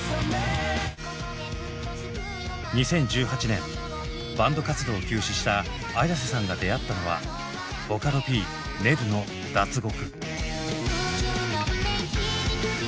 ２０１８年バンド活動を休止したＡｙａｓｅさんが出会ったのはボカロＰＮｅｒｕの「脱獄」。